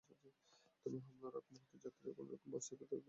তবে হামলার আগমুহূর্তে যাত্রীরা কোনো রকমে বাস থেকে নেমে রক্ষা পান।